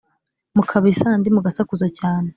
mukaba isandi: mugasakuza cyane;